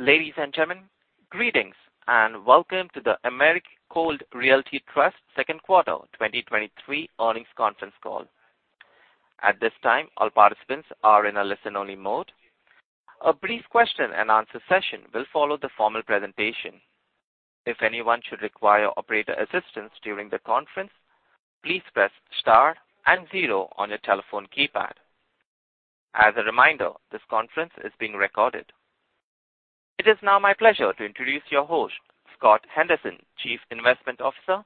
Ladies and gentlemen, greetings, and welcome to the Americold Realty Trust second quarter 2023 earnings conference call. At this time, all participants are in a listen-only mode. A brief question-and-answer session will follow the formal presentation. If anyone should require operator assistance during the conference, please press star and zero on your telephone keypad. As a reminder, this conference is being recorded. It is now my pleasure to introduce your host, Scott Henderson, chief investment officer.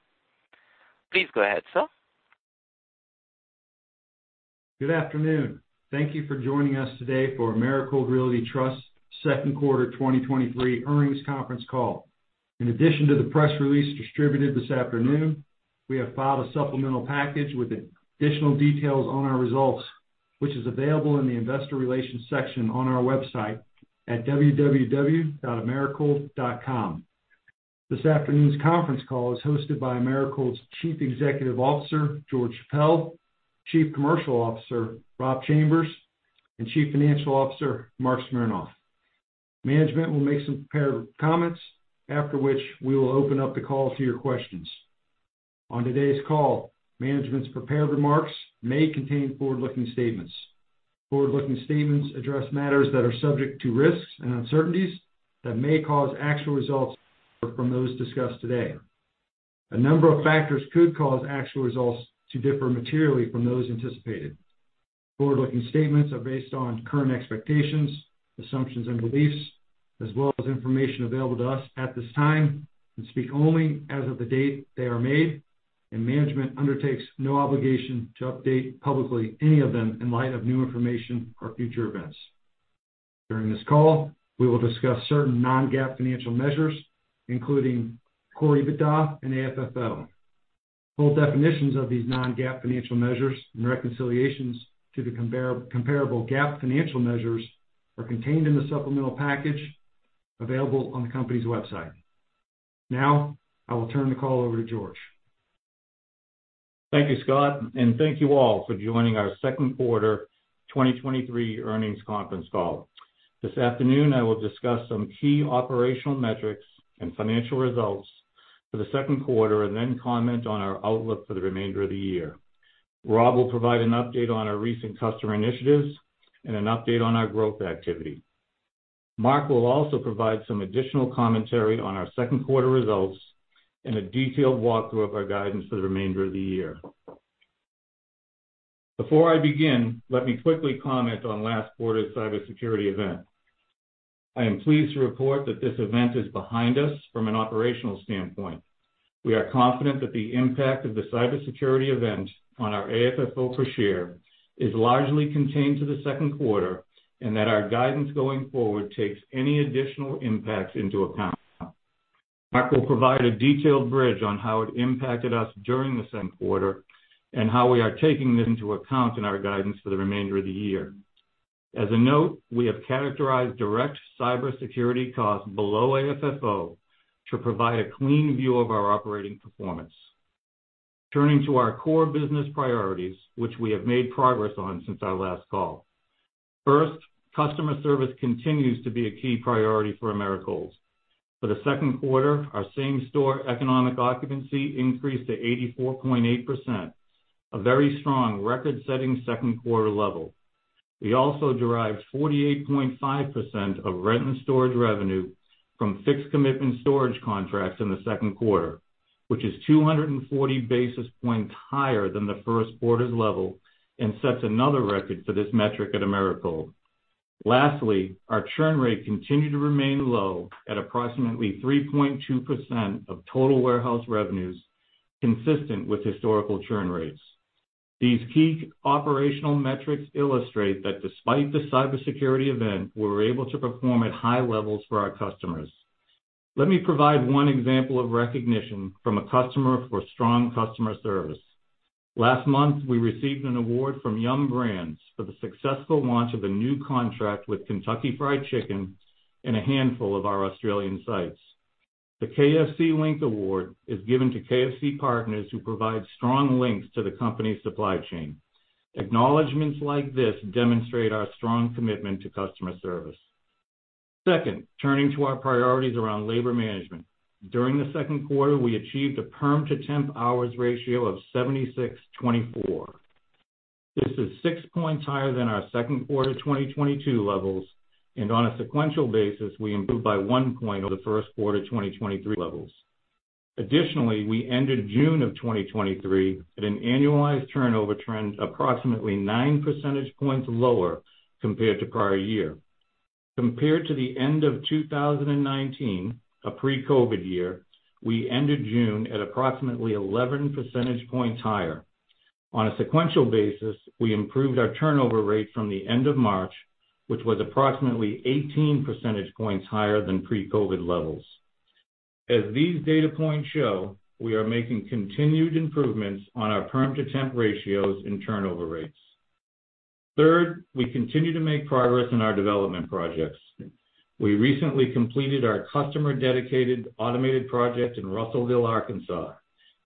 Please go ahead, sir. Good afternoon. Thank you for joining us today for Americold Realty Trust second quarter 2023 earnings conference call. In addition to the press release distributed this afternoon, we have filed a supplemental package with additional details on our results, which is available in the investor relations section on our website at www.americold.com. This afternoon's conference call is hosted by Americold's Chief Executive Officer, George Chappelle, Chief Commercial Officer, Rob Chambers, and Chief Financial Officer, Marc Smernoff. Management will make some prepared comments, after which we will open up the call to your questions. On today's call, management's prepared remarks may contain forward-looking statements. Forward-looking statements address matters that are subject to risks and uncertainties that may cause actual results from those discussed today. A number of factors could cause actual results to differ materially from those anticipated. Forward-looking statements are based on current expectations, assumptions, and beliefs, as well as information available to us at this time, and speak only as of the date they are made, and management undertakes no obligation to update publicly any of them in light of new information or future events. During this call, we will discuss certain non-GAAP financial measures, including Core EBITDA and AFFO. Full definitions of these non-GAAP financial measures and reconciliations to the comparable GAAP financial measures are contained in the supplemental package available on the company's website. Now, I will turn the call over to George. Thank you, Scott, and thank you all for joining our second quarter 2023 earnings conference call. This afternoon, I will discuss some key operational metrics and financial results for the second quarter and then comment on our outlook for the remainder of the year. Rob will provide an update on our recent customer initiatives and an update on our growth activity. Marc will also provide some additional commentary on our second quarter results and a detailed walkthrough of our guidance for the remainder of the year. Before I begin, let me quickly comment on last quarter's cybersecurity event. I am pleased to report that this event is behind us from an operational standpoint. We are confident that the impact of the cybersecurity event on our AFFO per share is largely contained to the second quarter, and that our guidance going forward takes any additional impacts into account. Marc will provide a detailed bridge on how it impacted us during the second quarter and how we are taking this into account in our guidance for the remainder of the year. As a note, we have characterized direct cybersecurity costs below AFFO to provide a clean view of our operating performance. Turning to our core business priorities, which we have made progress on since our last call. First, customer service continues to be a key priority for Americold. For the second quarter, our same-store economic occupancy increased to 84.8%, a very strong record-setting second quarter level. We also derived 48.5% of rent and storage revenue from fixed commitment storage contracts in the second quarter, which is 240 basis points higher than the first quarter's level and sets another record for this metric at Americold. Lastly, our churn rate continued to remain low at approximately 3.2% of total warehouse revenues, consistent with historical churn rates. These key operational metrics illustrate that despite the cybersecurity event, we were able to perform at high levels for our customers. Let me provide one example of recognition from a customer for strong customer service. Last month, we received an award from Yum! Brands for the successful launch of a new contract with Kentucky Fried Chicken in a handful of our Australian sites. The KFC Link Award is given to KFC partners who provide strong links to the company's supply chain. Acknowledgments like this demonstrate our strong commitment to customer service. Second, turning to our priorities around labor management. During the second quarter, we achieved a perm to temp hours ratio of 76/24. This is six percentage points higher than our 2Q 2022 levels, and on a sequential basis, we improved by one percentage point over the 1Q 2023 levels. Additionally, we ended June 2023 at an annualized turnover trend, approximately nine percentage points lower compared to prior year. Compared to the end of 2019, a pre-COVID year, we ended June at approximately 11 percentage points higher. On a sequential basis, we improved our turnover rate from the end of March, which was approximately 18 percentage points higher than pre-COVID levels. As these data points show, we are making continued improvements on our perm to temp ratios and turnover rates. Third, we continue to make progress in our development projects. We recently completed our customer-dedicated automated project in Russellville, Arkansas...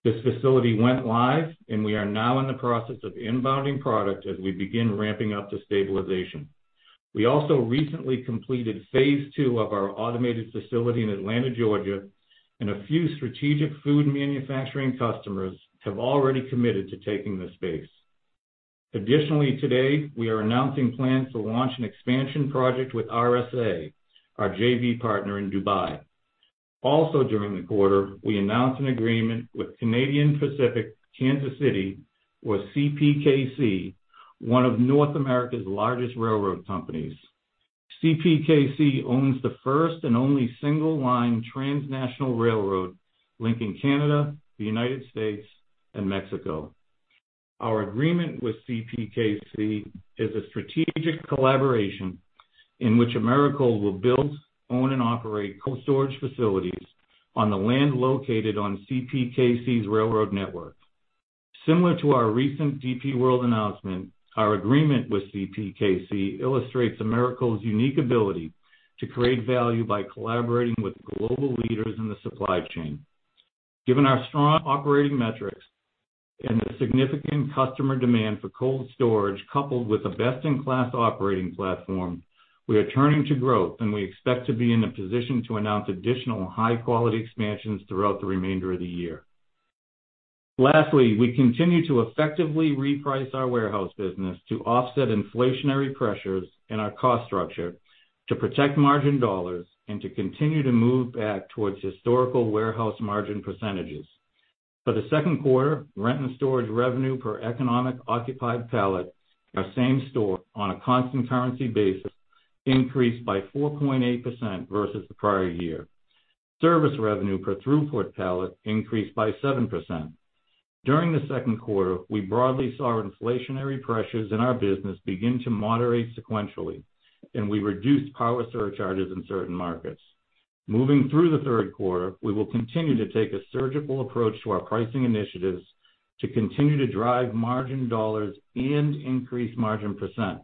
This facility went live, we are now in the process of inbounding product as we begin ramping up the stabilization. We also recently completed phase 2 of our automated facility in Atlanta, Georgia, a few strategic food manufacturing customers have already committed to taking the space. Additionally, today, we are announcing plans to launch an expansion project with RSA, our JV partner in Dubai. Also, during the quarter, we announced an agreement with Canadian Pacific Kansas City, or CPKC, one of North America's largest railroad companies. CPKC owns the first and only single-line transnational railroad linking Canada, the United States, and Mexico. Our agreement with CPKC is a strategic collaboration in which Americold will build, own, and operate cold storage facilities on the land located on CPKC's railroad network. Similar to our recent DP World announcement, our agreement with CPKC illustrates Americold's unique ability to create value by collaborating with global leaders in the supply chain. Given our strong operating metrics and the significant customer demand for cold storage, coupled with a best-in-class operating platform, we are turning to growth, and we expect to be in a position to announce additional high-quality expansions throughout the remainder of the year. Lastly, we continue to effectively reprice our warehouse business to offset inflationary pressures in our cost structure, to protect margin dollars, and to continue to move back towards historical warehouse margin percentages. For the second quarter, rent and storage revenue per economic occupied pallet, our same-store on a constant currency basis, increased by 4.8% versus the prior year. Service revenue per throughput pallet increased by 7%. During the second quarter, we broadly saw inflationary pressures in our business begin to moderate sequentially, and we reduced power surcharges in certain markets. Moving through the third quarter, we will continue to take a surgical approach to our pricing initiatives to continue to drive margin dollars and increase margin %.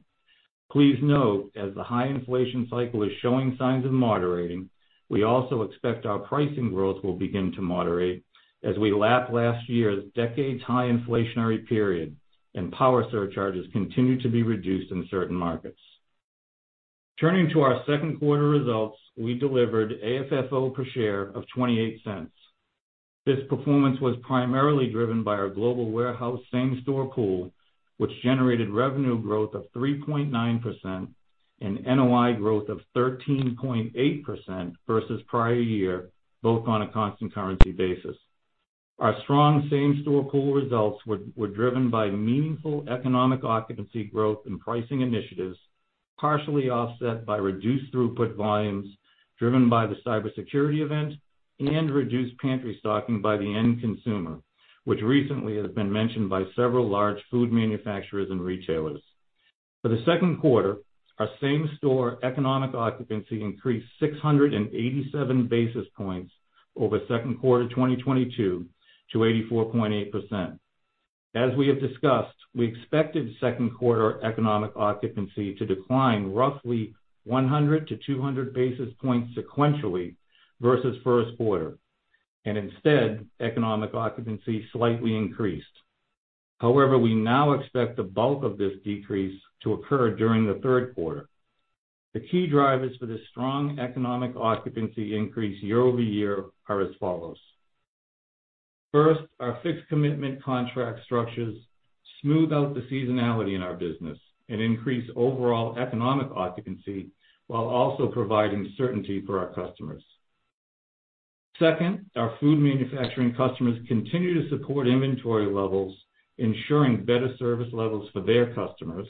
Please note, as the high inflation cycle is showing signs of moderating, we also expect our pricing growth will begin to moderate as we lap last year's decades-high inflationary period, and power surcharges continue to be reduced in certain markets. Turning to our second quarter results, we delivered AFFO per share of $0.28. This performance was primarily driven by our global warehouse same-store pool, which generated revenue growth of 3.9% and NOI growth of 13.8% versus prior year, both on a constant currency basis. Our strong same-store pool results were, were driven by meaningful economic occupancy growth and pricing initiatives, partially offset by reduced throughput volumes driven by the cybersecurity event and reduced pantry stocking by the end consumer, which recently has been mentioned by several large food manufacturers and retailers. For the second quarter, our same-store economic occupancy increased 687 basis points over second quarter 2022 to 84.8%. As we have discussed, we expected second quarter economic occupancy to decline roughly 100-200 basis points sequentially versus first quarter, and instead, economic occupancy slightly increased. However, we now expect the bulk of this decrease to occur during the third quarter. The key drivers for this strong economic occupancy increase year-over-year are as follows: First, our fixed commitment contract structures smooth out the seasonality in our business and increase overall economic occupancy, while also providing certainty for our customers. Second, our food manufacturing customers continue to support inventory levels, ensuring better service levels for their customers.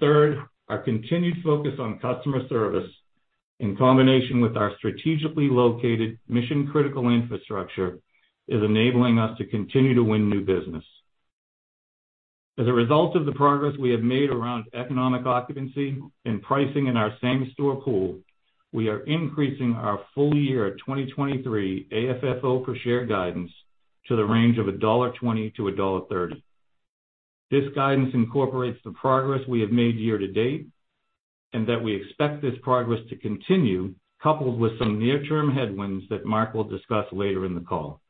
Third, our continued focus on customer service, in combination with our strategically located mission-critical infrastructure, is enabling us to continue to win new business. As a result of the progress we have made around economic occupancy and pricing in our same-store pool, we are increasing our full year 2023 AFFO per share guidance to the range of $1.20-$1.30. This guidance incorporates the progress we have made year to date, and that we expect this progress to continue, coupled with some near-term headwinds that Marc Smernoff will discuss later in the call.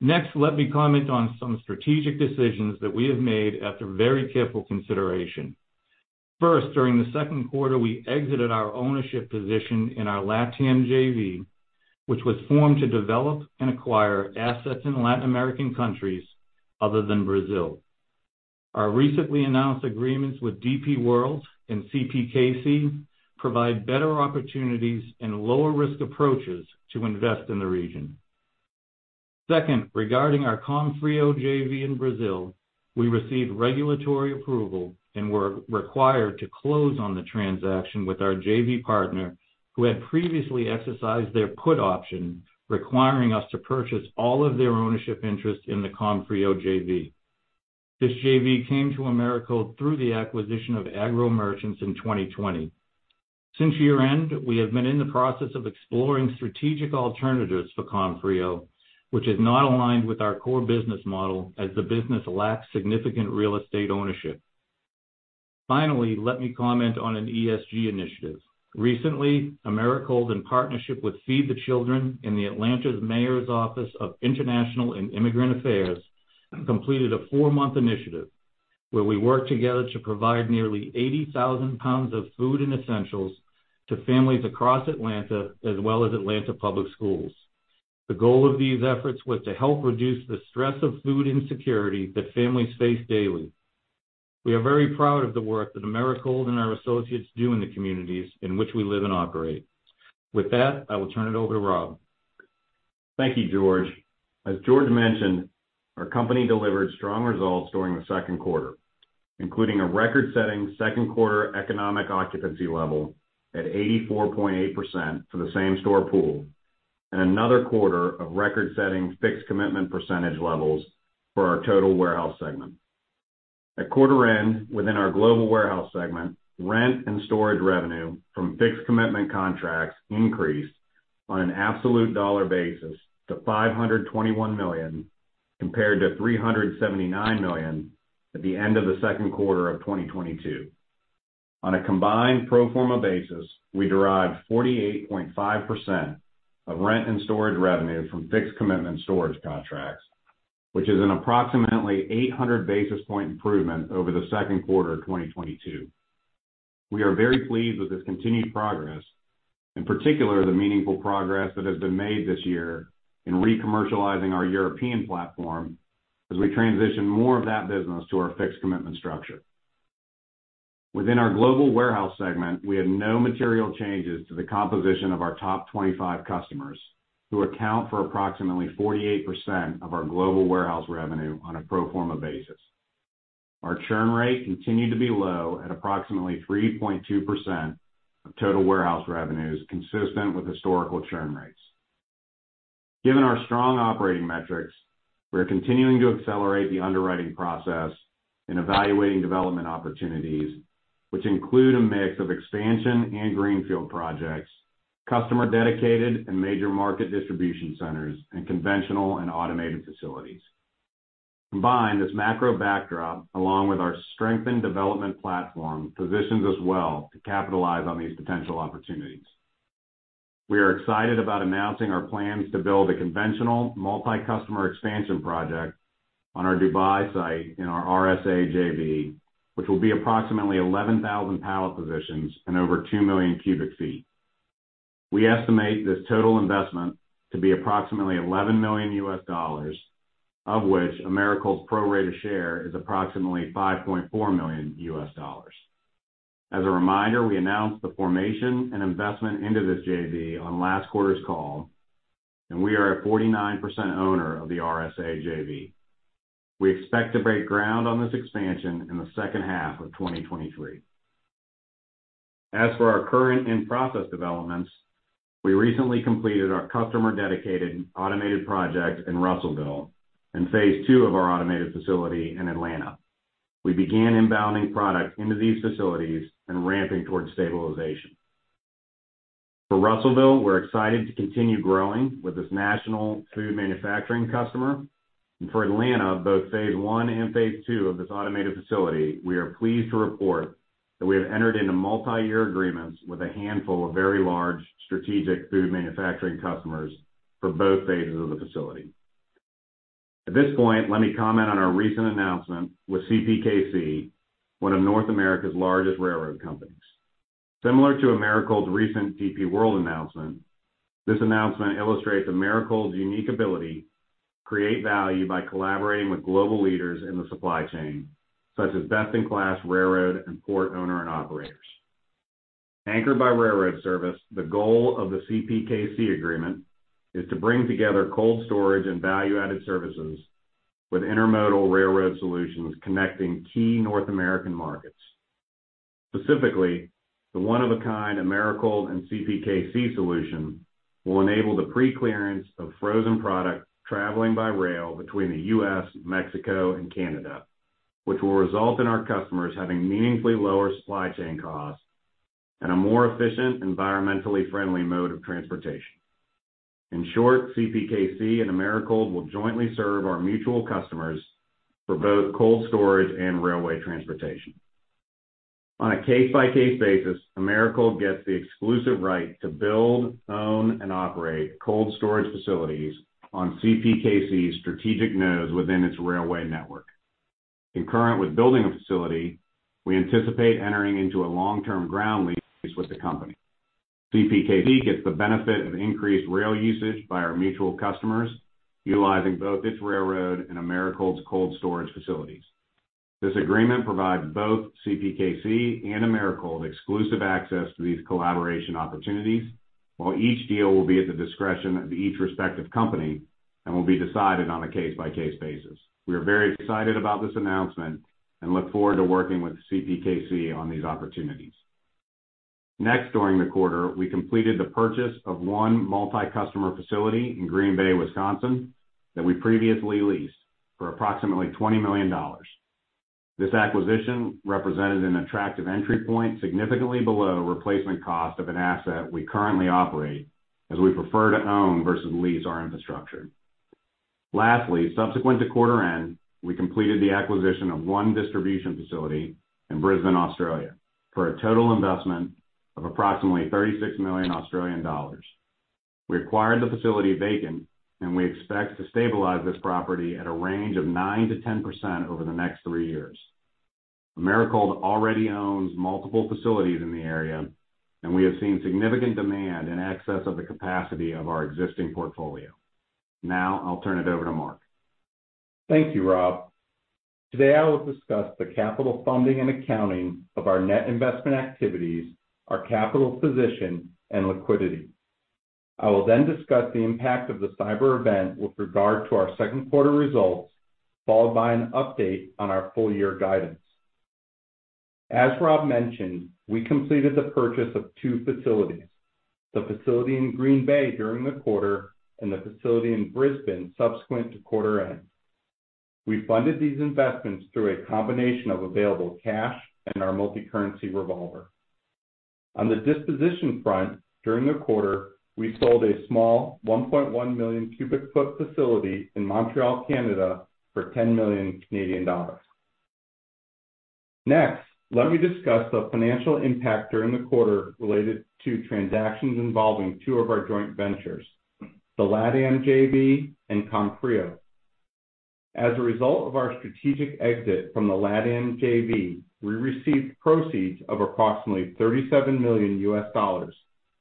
Next, let me comment on some strategic decisions that we have made after very careful consideration. First, during the second quarter, we exited our ownership position in our LatAm JV, which was formed to develop and acquire assets in Latin American countries other than Brazil. Our recently announced agreements with DP World and CPKC provide better opportunities and lower-risk approaches to invest in the region. Second, regarding our Comfrio JV in Brazil, we received regulatory approval and were required to close on the transaction with our JV partner, who had previously exercised their put option, requiring us to purchase all of their ownership interest in the Comfrio JV. This JV came to Americold through the acquisition of Agro Merchants in 2020. Since year-end, we have been in the process of exploring strategic alternatives for Comfrio, which is not aligned with our core business model as the business lacks significant real estate ownership. Finally, let me comment on an ESG initiative. Recently, Americold, in partnership with Feed the Children and the Atlanta's Mayor's Office of International and Immigrant Affairs, completed a four-month initiative where we worked together to provide nearly 80,000 pounds of food and essentials to families across Atlanta, as well as Atlanta Public Schools. The goal of these efforts was to help reduce the stress of food insecurity that families face daily. We are very proud of the work that Americold and our associates do in the communities in which we live and operate. With that, I will turn it over to Rob. Thank you, George. As George mentioned, our company delivered strong results during the second quarter, including a record-setting second quarter economic occupancy level at 84.8% for the same-store pool, and another quarter of record-setting fixed commitment % levels for our total warehouse segment. At quarter end, within our global warehouse segment, rent and storage revenue from fixed commitment contracts increased on an absolute dollar basis to $521 million, compared to $379 million at the end of the second quarter of 2022. On a combined pro forma basis, we derived 48.5% of rent and storage revenue from fixed commitment storage contracts, which is an approximately 800 basis point improvement over the second quarter of 2022. We are very pleased with this continued progress, in particular, the meaningful progress that has been made this year in re-commercializing our European platform as we transition more of that business to our fixed commitment structure. Within our global warehouse segment, we had no material changes to the composition of our top 25 customers, who account for approximately 48% of our global warehouse revenue on a pro forma basis. Our churn rate continued to be low at approximately 3.2% of total warehouse revenues, consistent with historical churn rates. Given our strong operating metrics, we are continuing to accelerate the underwriting process in evaluating development opportunities, which include a mix of expansion and greenfield projects, customer-dedicated and major market distribution centers, and conventional and automated facilities. Combined, this macro backdrop, along with our strengthened development platform, positions us well to capitalize on these potential opportunities. We are excited about announcing our plans to build a conventional multi-customer expansion project on our Dubai site in our RSA JV, which will be approximately 11,000 pallet positions and over 2 million cu ft. We estimate this total investment to be approximately $11 million, of which Americold's pro rata share is approximately $5.4 million. A reminder, we announced the formation and investment into this JV on last quarter's call, and we are a 49% owner of the RSA JV. We expect to break ground on this expansion in the second half of 2023. For our current in-process developments, we recently completed our customer-dedicated automated project in Russellville and phase two of our automated facility in Atlanta. We began inbounding product into these facilities and ramping towards stabilization. For Russellville, we're excited to continue growing with this national food manufacturing customer. For Atlanta, both phase one and phase two of this automated facility, we are pleased to report that we have entered into multiyear agreements with a handful of very large strategic food manufacturing customers for both phases of the facility. At this point, let me comment on our recent announcement with CPKC, one of North America's largest railroad companies. Similar to Americold's recent DP World announcement, this announcement illustrates Americold's unique ability to create value by collaborating with global leaders in the supply chain, such as best-in-class railroad and port owner and operators. Anchored by railroad service, the goal of the CPKC agreement is to bring together cold storage and value-added services with intermodal railroad solutions connecting key North American markets. Specifically, the one-of-a-kind Americold and CPKC solution will enable the preclearance of frozen product traveling by rail between the U.S., Mexico, and Canada, which will result in our customers having meaningfully lower supply chain costs and a more efficient, environmentally friendly mode of transportation. In short, CPKC and Americold will jointly serve our mutual customers for both cold storage and railway transportation. On a case-by-case basis, Americold gets the exclusive right to build, own, and operate cold storage facilities on CPKC's strategic nodes within its railway network. In current with building a facility, we anticipate entering into a long-term ground lease with the company. CPKC gets the benefit of increased rail usage by our mutual customers, utilizing both its railroad and Americold's cold storage facilities. This agreement provides both CPKC and Americold exclusive access to these collaboration opportunities, while each deal will be at the discretion of each respective company and will be decided on a case-by-case basis. We are very excited about this announcement and look forward to working with CPKC on these opportunities. Next, during the quarter, we completed the purchase of one multi-customer facility in Green Bay, Wisconsin, that we previously leased for approximately $20 million. This acquisition represented an attractive entry point, significantly below replacement cost of an asset we currently operate, as we prefer to own versus lease our infrastructure. Lastly, subsequent to quarter end, we completed the acquisition of one distribution facility in Brisbane, Australia, for a total investment of approximately 36 million Australian dollars. We acquired the facility vacant, and we expect to stabilize this property at a range of 9%-10% over the next three years. Americold already owns multiple facilities in the area, and we have seen significant demand in excess of the capacity of our existing portfolio. Now I'll turn it over to Marc. Thank you, Rob. Today, I will discuss the capital funding and accounting of our net investment activities, our capital position, and liquidity. I will then discuss the impact of the cyber event with regard to our second quarter results, followed by an update on our full year guidance. As Rob mentioned, we completed the purchase of two facilities, the facility in Green Bay during the quarter and the facility in Brisbane subsequent to quarter end. We funded these investments through a combination of available cash and our multicurrency revolver. On the disposition front, during the quarter, we sold a small 1.1 million cubic foot facility in Montreal, Canada, for 10 million Canadian dollars. Let me discuss the financial impact during the quarter related to transactions involving two of our joint ventures, the LatAm JV and Comfrio. As a result of our strategic exit from the LatAm JV, we received proceeds of approximately $37 million,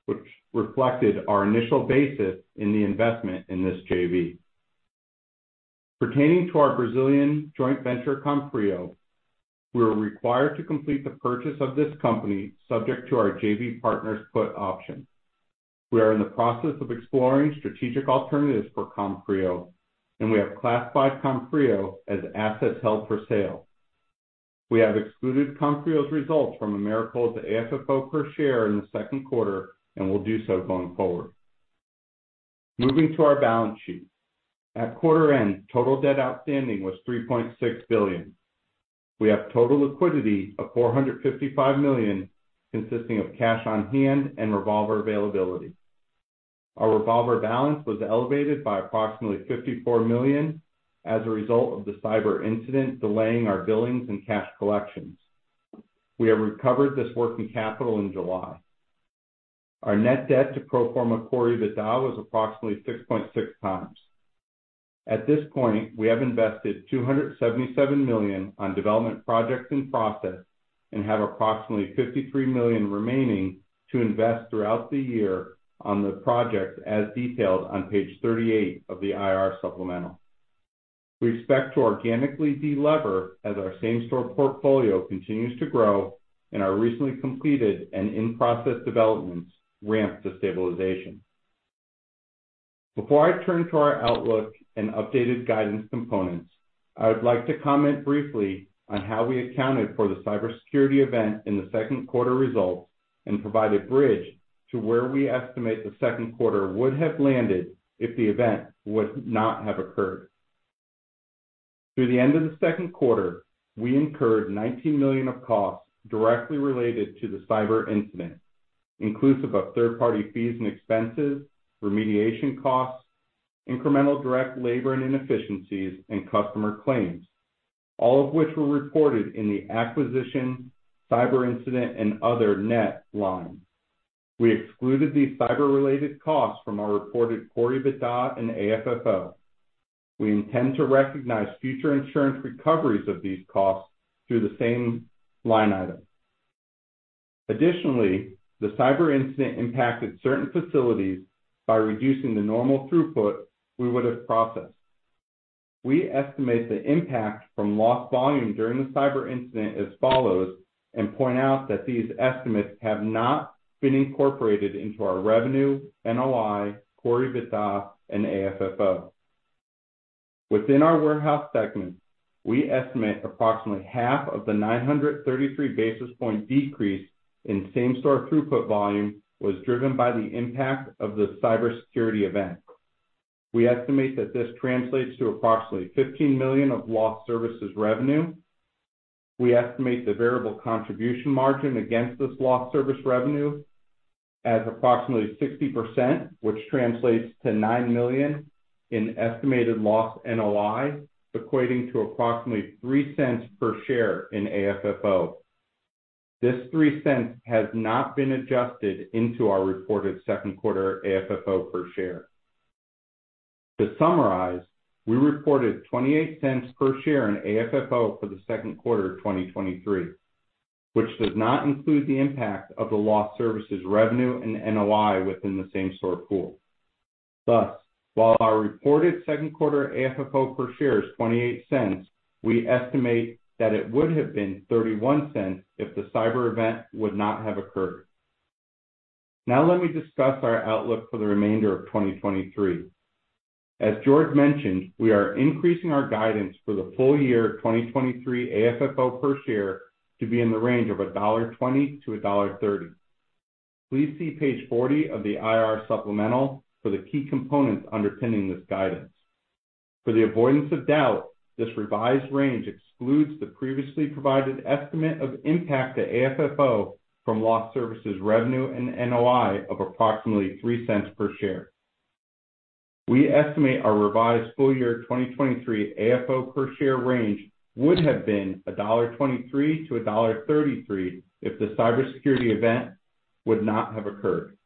which reflected our initial basis in the investment in this JV. Pertaining to our Brazilian joint venture, Comfrio, we are required to complete the purchase of this company, subject to our JV partner's put option. We are in the process of exploring strategic alternatives for Comfrio, we have classified Comfrio as assets held for sale. We have excluded Comfrio's results from Americold's AFFO per share in the second quarter and will do so going forward. Moving to our balance sheet. At quarter end, total debt outstanding was $3.6 billion. We have total liquidity of $455 million, consisting of cash on hand and revolver availability. Our revolver balance was elevated by approximately $54 million as a result of the cyber incident delaying our billings and cash collections. We have recovered this working capital in July. Our net debt to pro forma Core EBITDA was approximately 6.6x. At this point, we have invested $277 million on development projects in process and have approximately $53 million remaining to invest throughout the year on the projects as detailed on page 38 of the IR supplemental. We expect to organically delever as our same-store portfolio continues to grow and our recently completed and in-process developments ramp to stabilization. Before I turn to our outlook and updated guidance components, I would like to comment briefly on how we accounted for the cybersecurity event in the second quarter results and provide a bridge to where we estimate the second quarter would have landed if the event would not have occurred. Through the end of the second quarter, we incurred $19 million of costs directly related to the cyber incident, inclusive of third-party fees and expenses, remediation costs, incremental direct labor and inefficiencies, and customer claims, all of which were reported in the acquisition, cyber incident, and other net line. We excluded these cyber-related costs from our reported Core EBITDA and AFFO. We intend to recognize future insurance recoveries of these costs through the same line item. Additionally, the cyber incident impacted certain facilities by reducing the normal throughput we would have processed. We estimate the impact from lost volume during the cyber incident as follows, and point out that these estimates have not been incorporated into our revenue, NOI, Core EBITDA, and AFFO. Within our warehouse segment, we estimate approximately half of the 933 basis point decrease in same-store throughput volume was driven by the impact of the cybersecurity event. We estimate that this translates to approximately $15 million of lost services revenue. We estimate the variable contribution margin against this lost service revenue as approximately 60%, which translates to $9 million in estimated lost NOI, equating to approximately $0.03 per share in AFFO. This $0.03 has not been adjusted into our reported second quarter AFFO per share. To summarize, we reported $0.28 per share in AFFO for the second quarter of 2023, which does not include the impact of the lost services revenue and NOI within the same store pool. Thus, while our reported second quarter AFFO per share is $0.28, we estimate that it would have been $0.31 if the cyber event would not have occurred. Now let me discuss our outlook for the remainder of 2023. As George mentioned, we are increasing our guidance for the full year of 2023 AFFO per share to be in the range of $1.20-$1.30. Please see page 40 of the IR supplemental for the key components underpinning this guidance. For the avoidance of doubt, this revised range excludes the previously provided estimate of impact to AFFO from lost services revenue and NOI of approximately $0.03 per share. We estimate our revised full year 2023 AFFO per share range would have been $1.23-$1.33 if the cybersecurity event would not have occurred.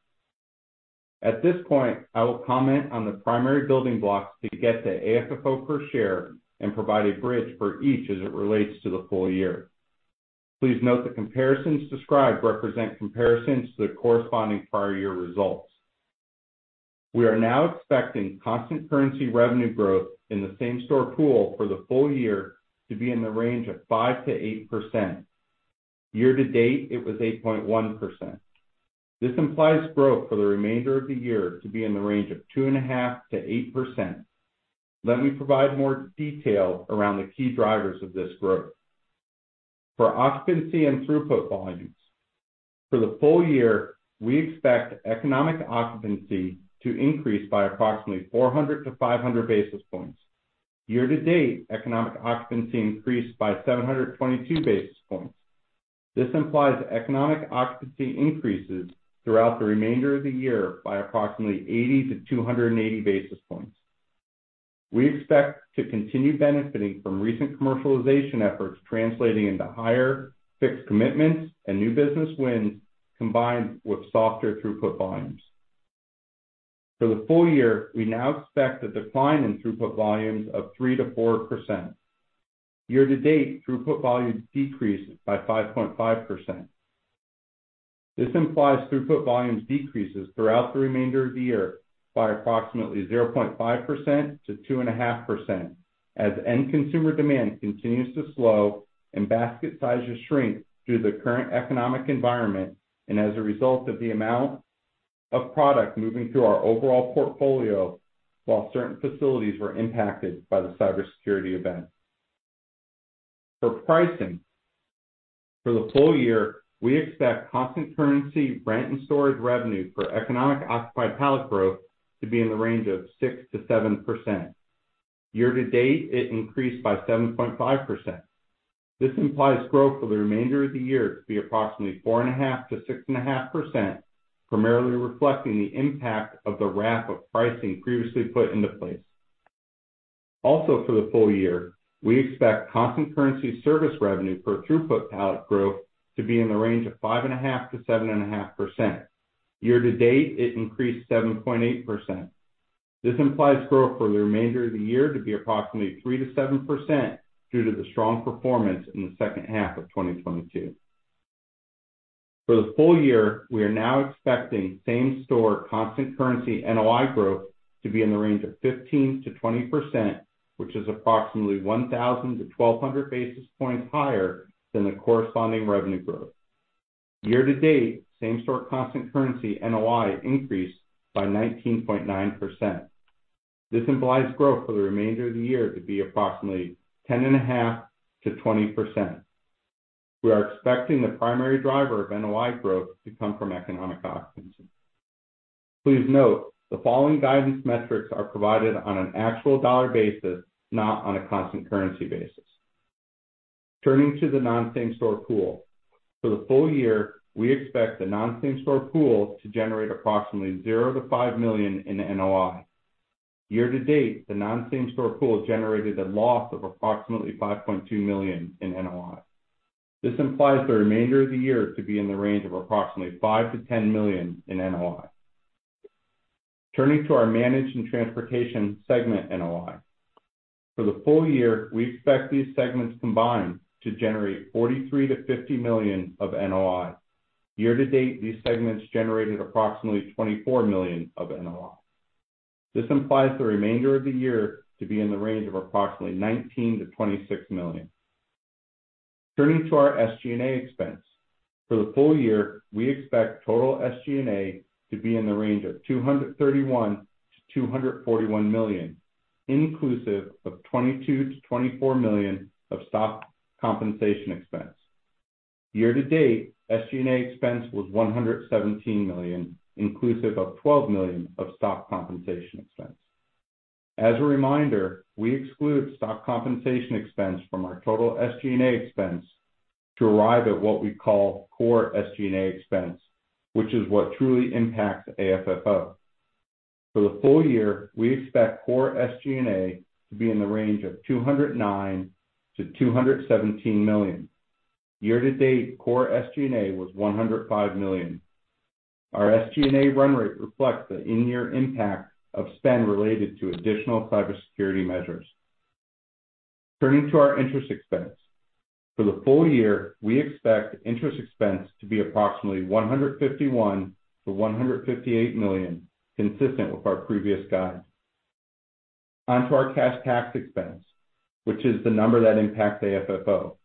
At this point, I will comment on the primary building blocks to get to AFFO per share and provide a bridge for each as it relates to the full year. Please note the comparisons described represent comparisons to the corresponding prior year results. We are now expecting constant currency revenue growth in the same-store pool for the full year to be in the range of 5%-8%. Year to date, it was 8.1%. This implies growth for the remainder of the year to be in the range of 2.5%-8%. Let me provide more detail around the key drivers of this growth. For occupancy and throughput volumes. For the full year, we expect economic occupancy to increase by approximately 400-500 basis points. Year to date, economic occupancy increased by 722 basis points. This implies economic occupancy increases throughout the remainder of the year by approximately 80-280 basis points. We expect to continue benefiting from recent commercialization efforts, translating into higher fixed commitments and new business wins, combined with softer throughput volumes. For the full year, we now expect a decline in throughput volumes of 3%-4%. Year to date, throughput volumes decreased by 5.5%. This implies throughput volumes decreases throughout the remainder of the year by approximately 0.5%-2.5%, as end consumer demand continues to slow and basket sizes shrink due to the current economic environment and as a result of the amount of product moving through our overall portfolio, while certain facilities were impacted by the cybersecurity event. For pricing, for the full year, we expect constant currency, rent, and storage revenue for economic occupied pallet growth to be in the range of 6%-7%. Year to date, it increased by 7.5%. This implies growth for the remainder of the year to be approximately 4.5%-6.5%, primarily reflecting the impact of the ramp of pricing previously put into place. Also, for the full year, we expect constant currency service revenue per throughput pallet growth to be in the range of 5.5%-7.5%. Year to date, it increased 7.8%. This implies growth for the remainder of the year to be approximately 3-7% due to the strong performance in the second half of 2022. For the full year, we are now expecting same-store constant currency NOI growth to be in the range of 15%-20%, which is approximately 1,000-1,200 basis points higher than the corresponding revenue growth. Year to date, same-store constant currency NOI increased by 19.9%. This implies growth for the remainder of the year to be approximately 10.5%-20%. We are expecting the primary driver of NOI growth to come from economic occupancy. Please note, the following guidance metrics are provided on an actual dollar basis, not on a constant currency basis. Turning to the non-same store pool. For the full year, we expect the non-same store pool to generate approximately $0-$5 million in NOI. Year to date, the non-same store pool generated a loss of approximately $5.2 million in NOI. This implies the remainder of the year to be in the range of approximately $5-$10 million in NOI. Turning to our managed and transportation segment NOI. For the full year, we expect these segments combined to generate $43-$50 million of NOI. Year to date, these segments generated approximately $24 million of NOI. This implies the remainder of the year to be in the range of approximately $19-$26 million. Turning to our SG&A expense. For the full year, we expect total SG&A to be in the range of $231 million-$241 million, inclusive of $22 million-$24 million of stock compensation expense. Year to date, SG&A expense was $117 million, inclusive of $12 million of stock compensation expense. As a reminder, we exclude stock compensation expense from our total SG&A expense to arrive at what we call core SG&A expense, which is what truly impacts AFFO. For the full year, we expect core SG&A to be in the range of $209 million-$217 million. Year to date, core SG&A was $105 million. Our SG&A run rate reflects the in-year impact of spend related to additional cybersecurity measures. Turning to our interest expense. For the full year, we expect interest expense to be approximately $151 million-$158 million, consistent with our previous guide. On to our cash tax expense, which is the number that impacts AFFO.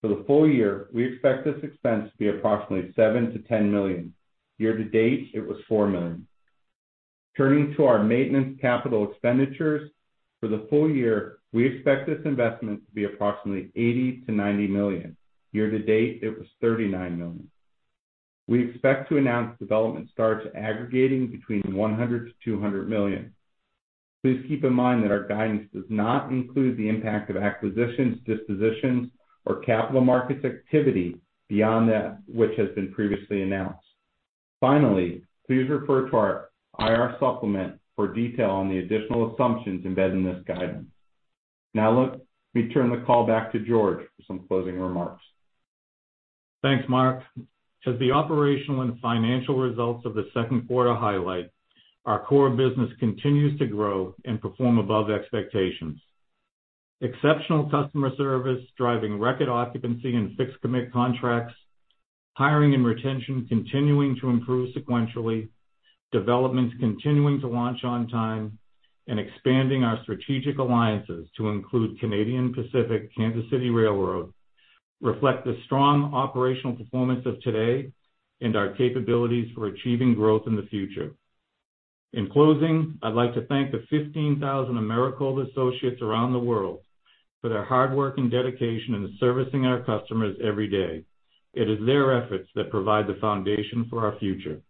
For the full year, we expect this expense to be approximately $7 million-$10 million. Year to date, it was $4 million. Turning to our maintenance capital expenditures. For the full year, we expect this investment to be approximately $80 million-$90 million. Year to date, it was $39 million. We expect to announce development starts aggregating between $100 million-$200 million. Please keep in mind that our guidance does not include the impact of acquisitions, dispositions, or capital markets activity beyond that which has been previously announced. Finally, please refer to our IR supplemental for detail on the additional assumptions embedded in this guidance. Now let me turn the call back to George for some closing remarks. Thanks, Marc. As the operational and financial results of the second quarter highlight, our core business continues to grow and perform above expectations. Exceptional customer service, driving record occupancy and fixed commit contracts, hiring and retention continuing to improve sequentially, developments continuing to launch on time, and expanding our strategic alliances to include Canadian Pacific Kansas City Railroad, reflect the strong operational performance of today and our capabilities for achieving growth in the future. In closing, I'd like to thank the 15,000 Americold associates around the world for their hard work and dedication in servicing our customers every day. It is their efforts that provide the foundation for our future.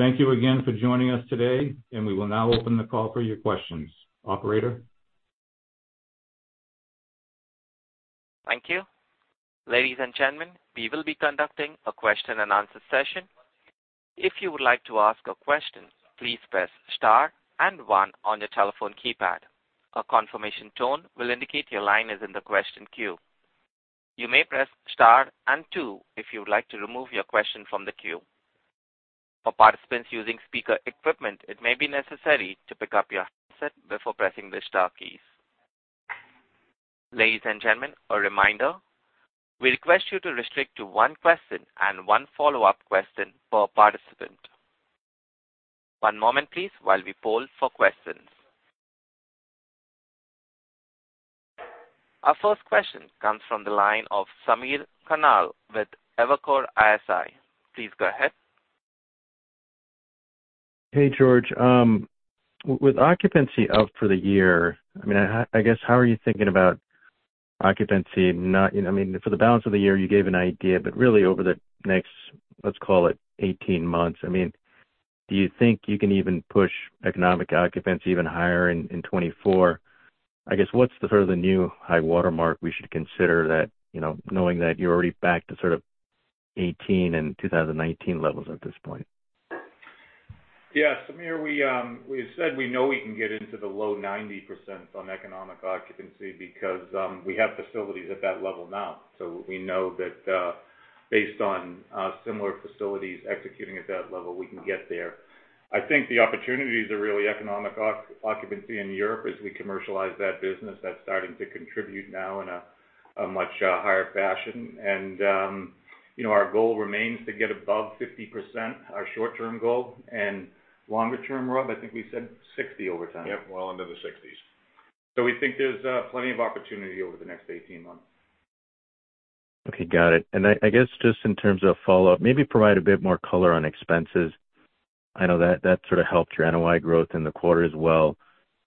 Thank you again for joining us today, and we will now open the call for your questions. Operator? Thank you. Ladies and gentlemen, we will be conducting a question and answer session. If you would like to ask a question, please press star and one on your telephone keypad. A confirmation tone will indicate your line is in the question queue. You may press star and two if you would like to remove your question from the queue. For participants using speaker equipment, it may be necessary to pick up your headset before pressing the star keys. Ladies and gentlemen, a reminder, we request you to restrict to one question and one follow-up question per participant. One moment, please, while we poll for questions. Our first question comes from the line of Samir Khanal with Evercore ISI. Please go ahead. Hey, George, with, with occupancy out for the year, I mean, I, I guess, how are you thinking about occupancy? Not, I mean, for the balance of the year, you gave an idea, but really over the next, let's call it 18 months, I mean, do you think you can even push economic occupancy even higher in 2024? I guess, what's the sort of the new high watermark we should consider that, you know, knowing that you're already back to sort of 2018 and 2019 levels at this point? Yeah, Samir, we said we know we can get into the low 90% on economic occupancy because we have facilities at that level now. We know that, based on similar facilities executing at that level, we can get there. I think the opportunities are really economic oc- occupancy in Europe as we commercialize that business, that's starting to contribute now in a much higher fashion. You know, our goal remains to get above 50%, our short-term goal, and longer term, Rob, I think we said 60% over time. Yep, well into the sixties. We think there's plenty of opportunity over the next 18 months. Okay, got it. I, I guess, just in terms of follow-up, maybe provide a bit more color on expenses? I know that, that sort of helped your NOI growth in the quarter as well.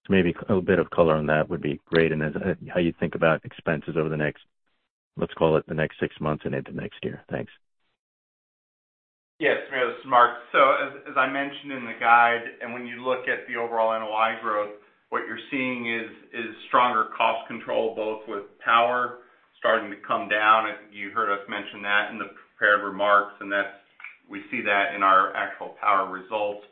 Maybe a little bit of color on that would be great, and then how you think about expenses over the next, let's call it, the next six months and into next year? Thanks. Yes, Samir, this is Marc. As, as I mentioned in the guide, and when you look at the overall NOI growth, what you're seeing is, is stronger cost control, both with power starting to come down. I think you heard us mention that in the prepared remarks, and that's, we see that in our actual power results.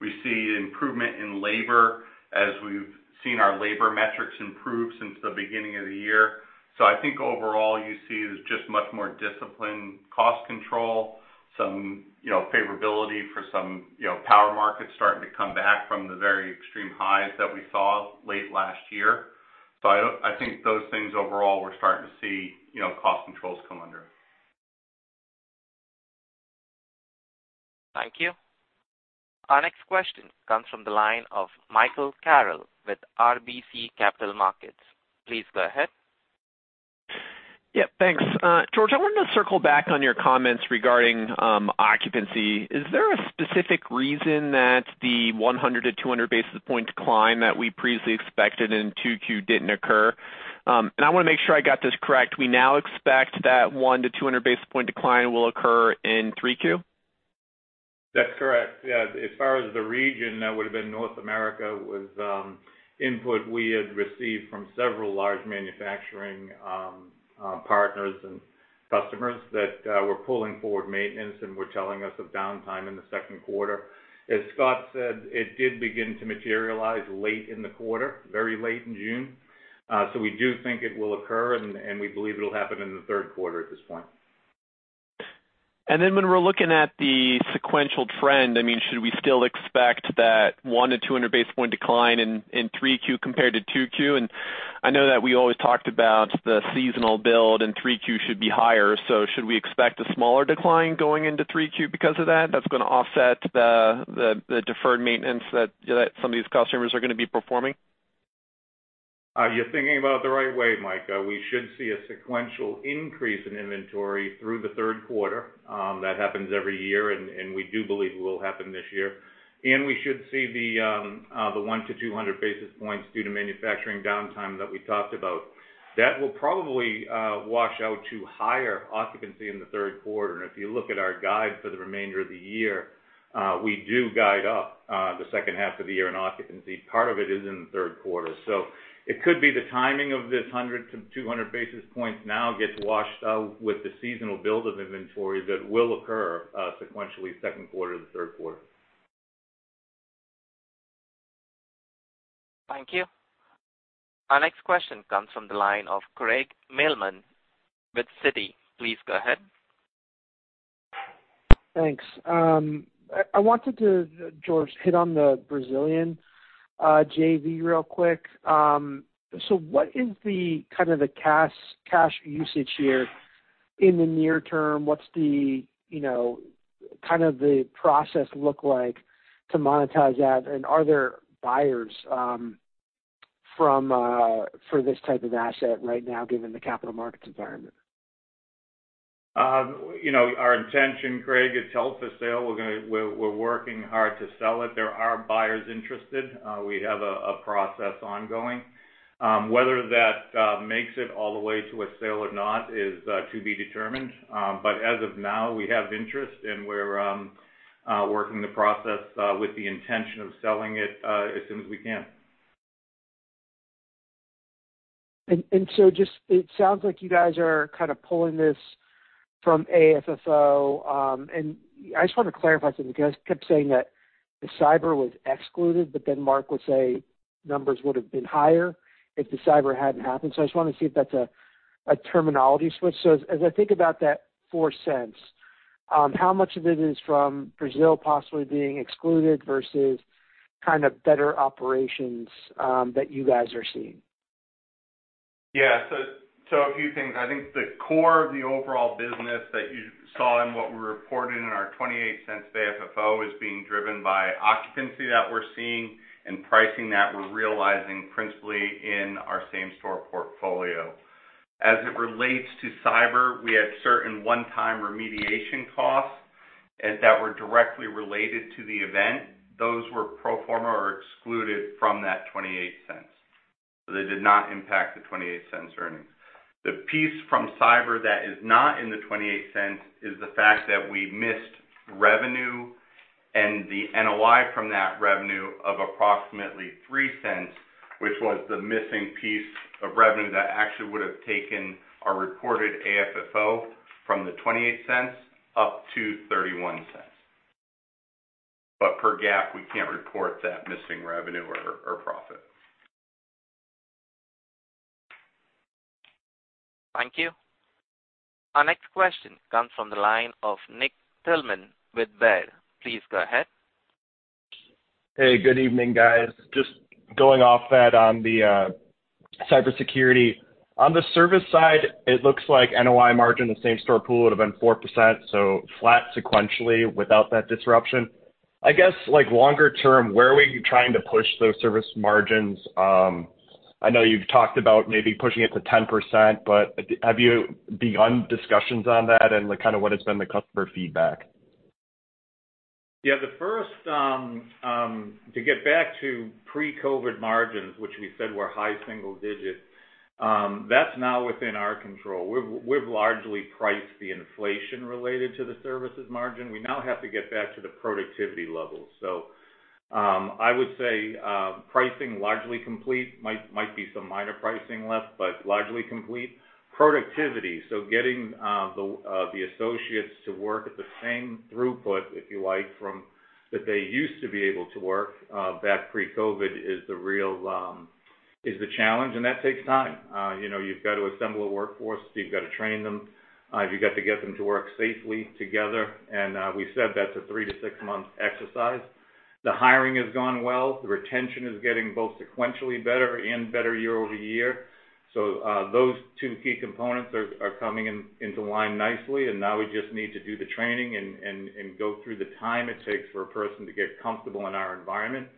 We see improvement in labor as we've seen our labor metrics improve since the beginning of the year. I think overall, you see there's just much more disciplined cost control, some, you know, favorability for some, you know, power markets starting to come back from the very extreme highs that we saw late last year. I don't, I think those things overall, we're starting to see, you know, cost controls come under. Thank you. Our next question comes from the line of Michael Carroll with RBC Capital Markets. Please go ahead. Yeah, thanks. George, I wanted to circle back on your comments regarding occupancy. Is there a specific reason that the 100-200 basis point decline that we previously expected in 2Q didn't occur? I wanna make sure I got this correct. We now expect that 100-200 basis point decline will occur in 3Q? That's correct. Yeah, as far as the region, that would have been North America, was input we had received from several large manufacturing partners and customers that were pulling forward maintenance and were telling us of downtime in the second quarter. As Scott said, it did begin to materialize late in the quarter, very late in June. So we do think it will occur, and we believe it'll happen in the third quarter at this point. Then when we're looking at the sequential trend, I mean, should we still expect that 100-200 basis point decline in 3Q compared to 2Q? I know that we always talked about the seasonal build, and 3Q should be higher. Should we expect a smaller decline going into 3Q because of that, that's gonna offset the deferred maintenance that some of these customers are gonna be performing? You're thinking about it the right way, Mike. We should see a sequential increase in inventory through the third quarter. That happens every year, and we do believe it will happen this year. We should see the 100-200 basis points due to manufacturing downtime that we talked about. That will probably wash out to higher occupancy in the third quarter. If you look at our guide for the remainder of the year, we do guide up the second half of the year in occupancy. Part of it is in the third quarter. It could be the timing of this 100-200 basis points now gets washed out with the seasonal build of inventory that will occur, sequentially, second quarter to the third quarter. Thank you. Our next question comes from the line of Craig Mailman with Citi. Please go ahead. Thanks. I, I wanted to, George, hit on the Brazilian JV real quick. What is the kind of the cash, cash usage here in the near term? What's the, you know, kind of the process look like to monetize that? Are there buyers from for this type of asset right now, given the capital markets environment? You know, our intention, Craig, is to sell. We're working hard to sell it. There are buyers interested. We have a process ongoing. Whether that makes it all the way to a sale or not is to be determined. As of now, we have interest, and we're working the process with the intention of selling it as soon as we can. It sounds like you guys are kind of pulling this from AFFO. I just want to clarify something, because you kept saying that the cyber was excluded, but then Marc would say numbers would have been higher if the cyber hadn't happened. I just wanted to see if that's a terminology switch. As I think about that $0.04, how much of it is from Brazil possibly being excluded versus kind of better operations that you guys are seeing? Yeah. So a few things. I think the core of the overall business that you saw in what we reported in our $0.28 of AFFO is being driven by occupancy that we're seeing and pricing that we're realizing principally in our same-store portfolio. As it relates to cyber, we had certain one-time remediation costs that were directly related to the event. Those were pro forma or excluded from that $0.28. They did not impact the $0.28 earnings. The piece from cyber that is not in the $0.28 is the fact that we missed revenue and the NOI from that revenue of approximately $0.03, which was the missing piece of revenue that actually would have taken our reported AFFO from the $0.28 up to $0.31. Per GAAP, we can't report that missing revenue or, or profit. Thank you. Our next question comes from the line of Nick Thillman with Baird. Please go ahead. Hey, good evening, guys. Just going off that on the cybersecurity. On the service side, it looks like NOI margin, the same-store pool, would have been 4%, so flat sequentially without that disruption. I guess, like, longer term, where are we trying to push those service margins? I know you've talked about maybe pushing it to 10%, but have you begun discussions on that, and, like, kind of what has been the customer feedback? Yeah, the first, to get back to pre-COVID margins, which we said were high single digits, that's now within our control. We've, we've largely priced the inflation related to the services margin. We now have to get back to the productivity levels. I would say, pricing largely complete. Might, might be some minor pricing left, but largely complete. Productivity, so getting the associates to work at the same throughput, if you like, from that they used to be able to work back pre-COVID, is the real challenge, and that takes time. You know, you've got to assemble a workforce, you've got to train them, you've got to get them to work safely together, and we've said that's a three to six-month exercise. The hiring has gone well. The retention is getting both sequentially better and better year-over-year. Those two key components are coming into line nicely, and now we just need to do the training and go through the time it takes for a person to get comfortable in our environment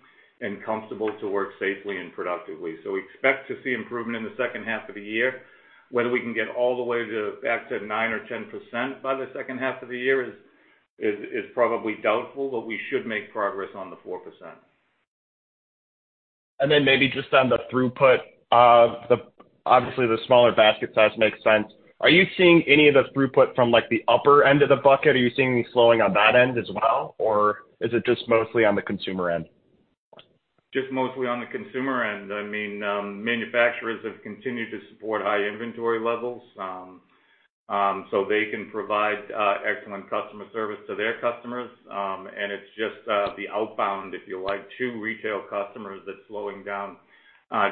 and comfortable to work safely and productively. We expect to see improvement in the second half of the year. Whether we can get all the way back to 9% or 10% by the second half of the year is probably doubtful, but we should make progress on the 4%. Maybe just on the throughput of the obviously, the smaller basket size makes sense. Are you seeing any of the throughput from, like, the upper end of the bucket? Are you seeing any slowing on that end as well, or is it just mostly on the consumer end? Just mostly on the consumer end. I mean, manufacturers have continued to support high inventory levels, so they can provide excellent customer service to their customers. It's just the outbound, if you like, to retail customers that's slowing down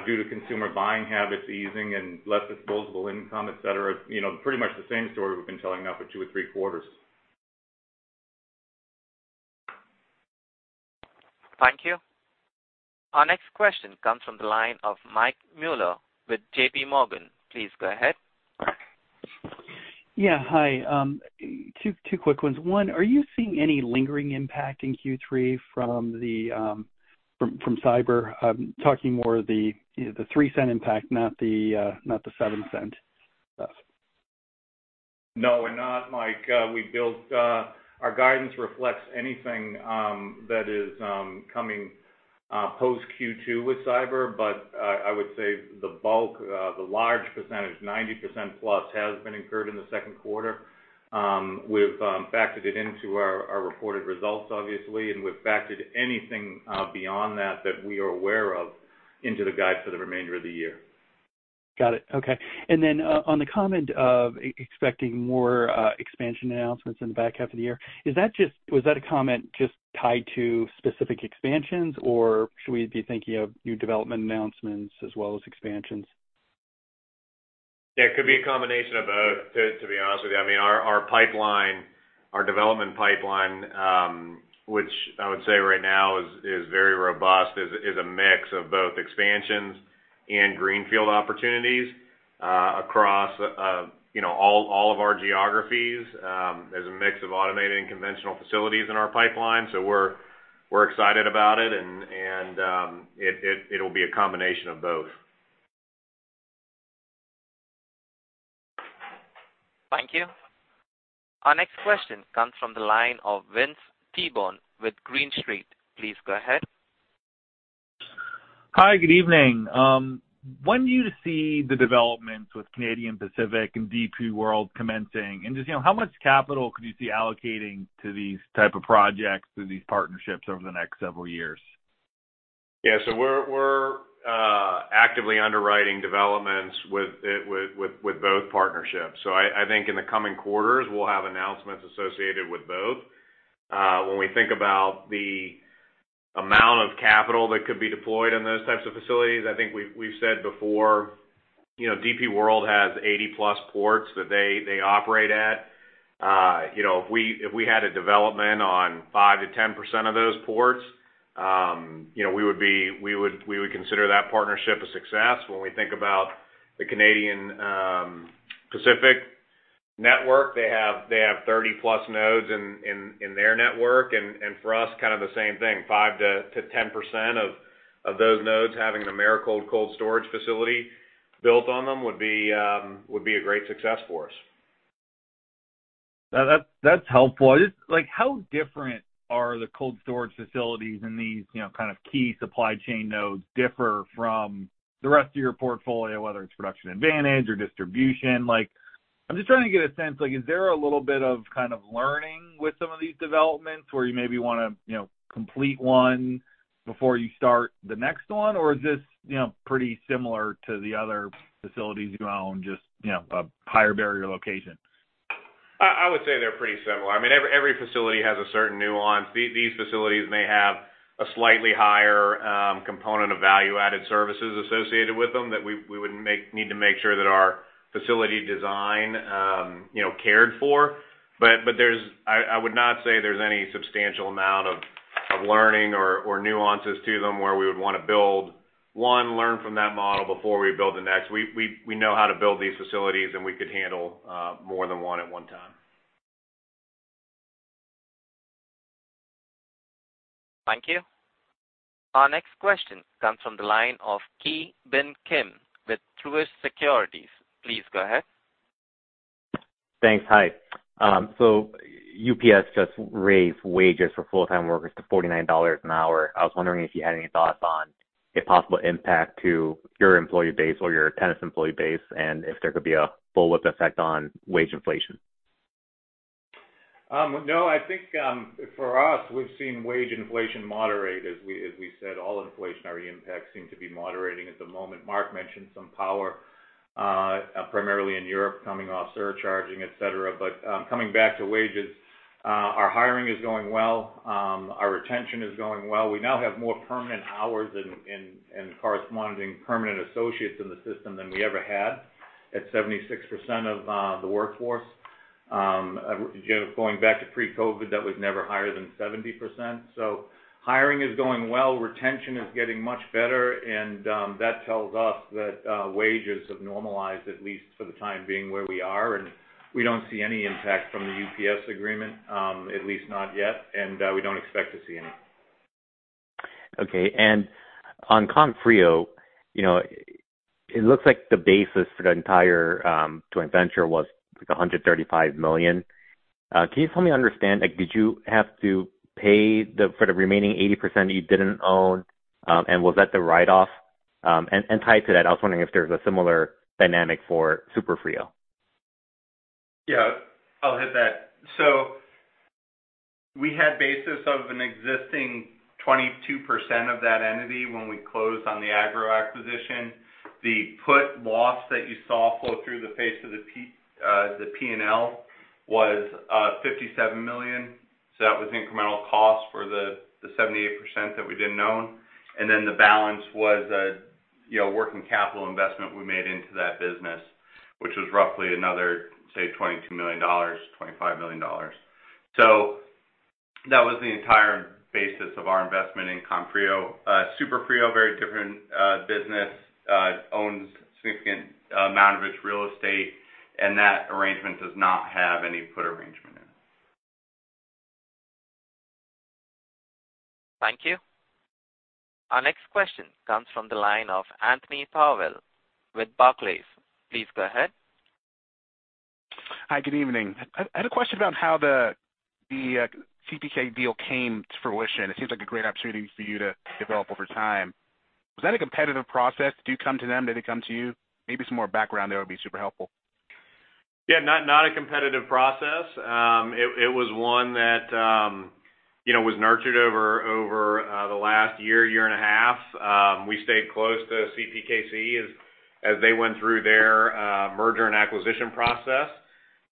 due to consumer buying habits easing and less disposable income, et cetera. You know, pretty much the same story we've been telling now for two or three quarters. Thank you. Our next question comes from the line of Mike Mueller with JP Morgan. Please go ahead. Yeah. Hi, two, two quick ones. One, are you seeing any lingering impact in Q3 from the, from, from cyber? I'm talking more the, the $0.03 impact, not the, not the $0.07. No, we're not, Mike. Our guidance reflects anything that is coming post Q2 with cyber. I would say the bulk, the large percentage, 90%+, has been incurred in the second quarter. We've factored it into our, our reported results, obviously, and we've factored anything beyond that, that we are aware of, into the guide for the remainder of the year. Got it. Okay. Then, on the comment of expecting more expansion announcements in the back half of the year, was that a comment just tied to specific expansions, or should we be thinking of new development announcements as well as expansions? Yeah, it could be a combination of both, to, to be honest with you. I mean, our, our pipeline, our development pipeline, which I would say right now is, is very robust, is, is a mix of both expansions and greenfield opportunities, across, you know, all, all of our geographies. There's a mix of automated and conventional facilities in our pipeline, so we're, we're excited about it, and, and, it, it, it'll be a combination of both. Thank you. Our next question comes from the line of Vince Tibone with Green Street. Please go ahead. Hi, good evening. When do you see the developments with Canadian Pacific and DP World commencing? Just, you know, how much capital could you see allocating to these type of projects, to these partnerships over the next several years? We're actively underwriting developments with both partnerships. I think in the coming quarters, we'll have announcements associated with both. When we think about the amount of capital that could be deployed in those types of facilities, I think we've said before, you know, DP World has 80+ ports that they operate at. You know, if we had a development on 5%-10% of those ports, you know, we would consider that partnership a success. When we think about the Canadian Pacific network, they have, they have 30+ nodes in, in, in their network, and, and for us, kind of the same thing, 5%-10% of, of those nodes having an Americold cold storage facility built on them would be, would be a great success for us. That's, that's helpful. Just, like, how different are the cold storage facilities in these, you know, kind of key supply chain nodes differ from the rest of your portfolio, whether it's production advantage or distribution? Like, I'm just trying to get a sense, like, is there a little bit of kind of learning with some of these developments where you maybe wanna, you know, complete one before you start the next one? Or is this, you know, pretty similar to the other facilities you own, just, you know, a higher barrier location? I would say they're pretty similar. I mean, every facility has a certain nuance. These facilities may have a slightly higher component of value-added services associated with them that we would need to make sure that our facility design, you know, cared for. I would not say there's any substantial amount of learning or nuances to them, where we would want to build one, learn from that model before we build the next. We know how to build these facilities, and we could handle more than one at one time. Thank you. Our next question comes from the line of Ki Bin Kim with Truist Securities. Please go ahead. Thanks. Hi. UPS just raised wages for full-time workers to $49 an hour. I was wondering if you had any thoughts on a possible impact to your employee base or your tenant's employee base, and if there could be a bullwhip effect on wage inflation. No, for us, we've seen wage inflation moderate. As we said, all inflationary impacts seem to be moderating at the moment. Marc mentioned some power, primarily in Europe, coming off surcharging, et cetera. Coming back to wages, our hiring is going well, our retention is going well. We now have more permanent hours and corresponding permanent associates in the system than we ever had, at 76% of the workforce. You know, going back to pre-COVID, that was never higher than 70%. Hiring is going well, retention is getting much better, and that tells us that wages have normalized, at least for the time being, where we are. We don't see any impact from the UPS agreement, at least not yet, and we don't expect to see any. Okay. On Comfrio, you know, it looks like the basis for the entire joint venture was, like, $135 million. Can you just help me understand, like, did you have to pay the, for the remaining 80% you didn't own? Was that the write-off? And tied to that, I was wondering if there's a similar dynamic for SuperFrio. Yeah, I'll hit that. We had basis of an existing 22% of that entity when we closed on the Agro acquisition. The put loss that you saw flow through the face of the p- the PNL was $57 million. That was incremental cost for the, the 78% that we didn't own. Then the balance was a, you know, working capital investment we made into that business, which was roughly another, say, $22 million, $25 million. That was the entire basis of our investment in Comfrio. SuperFrio, very different business, owns a significant amount of its real estate, and that arrangement does not have any put arrangement in it. Thank you. Our next question comes from the line of Anthony Powell with Barclays. Please go ahead. Hi, good evening. I, I had a question about how the, the CPKC deal came to fruition. It seems like a great opportunity for you to develop over time. Was that a competitive process? Do you come to them? Did they come to you? Maybe some more background there would be super helpful. Yeah, not, not a competitive process. It, it was one that, you know, was nurtured over, over the last year, year and a half. We stayed close to CPKC as, as they went through their merger and acquisition process.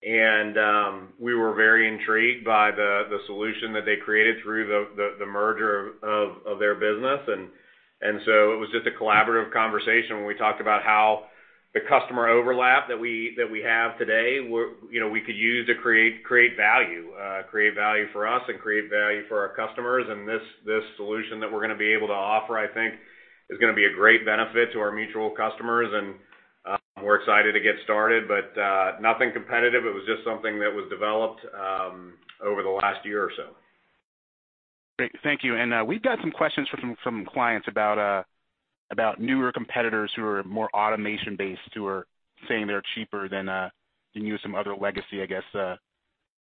We were very intrigued by the solution that they created through the merger of their business. It was just a collaborative conversation when we talked about how the customer overlap that we, that we have today, you know, we could use to create, create value, create value for us and create value for our customers. This, this solution that we're gonna be able to offer, I think, is gonna be a great benefit to our mutual customers, and we're excited to get started, but nothing competitive. It was just something that was developed, over the last year or so. Great. Thank you. We've got some questions from clients about newer competitors who are more automation-based, who are saying they're cheaper than you or some other legacy, I guess,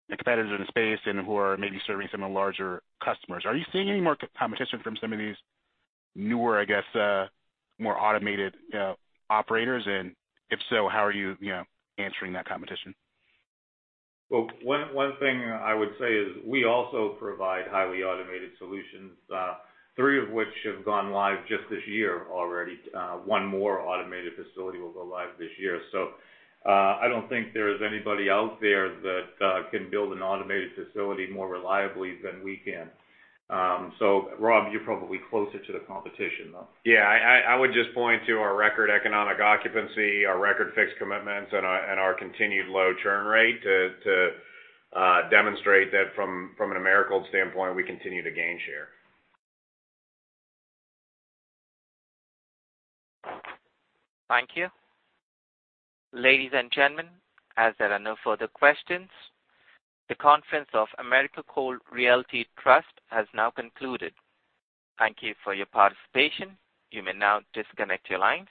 competitors in the space and who are maybe serving some of the larger customers. Are you seeing any more competition from some of these newer, I guess, more automated operators? If so, how are you, you know, answering that competition? One, one thing I would say is we also provide highly automated solutions, three of which have gone live just this year already. One more automated facility will go live this year. I don't think there is anybody out there that can build an automated facility more reliably than we can. Rob, you're probably closer to the competition, though. Yeah, I would just point to our record economic occupancy, our record fixed commitments, and our continued low churn rate to demonstrate that from an Americold standpoint, we continue to gain share. Thank you. Ladies and gentlemen, as there are no further questions, the conference of Americold Realty Trust has now concluded. Thank you for your participation. You may now disconnect your lines.